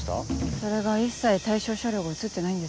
それが一切対象車両が写ってないんですよね。